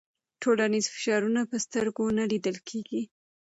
ټولنیز فشارونه په سترګو نه لیدل کېږي.